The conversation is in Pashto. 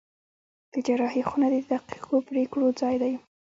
د جراحي خونه د دقیقو پرېکړو ځای دی.